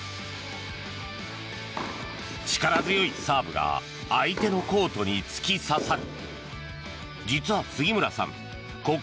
力強いサーブが相手のコートに突き刺さる。